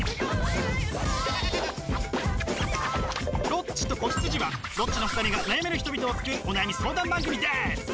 「ロッチと子羊」はロッチの２人が悩める人々を救うお悩み相談番組です！